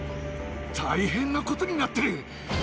大変なことになっ